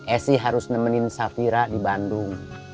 esi harus nemenin safira di bandung